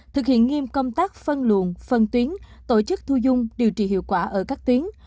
thực hiện nghiêm công tác phân luồn phân tuyến tổ chức thu dung điều trị hiệu quả ở các tuyến